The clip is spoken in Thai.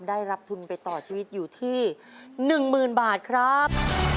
ได้รับทุนไปต่อชีวิตอยู่ที่๑๐๐๐บาทครับ